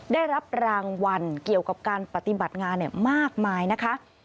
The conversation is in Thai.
ได้รับรางวัลเกี่ยวกับการปฏิบัติงานมากมายนะคะ